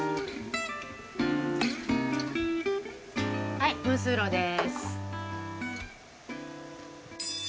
はいムースーローです。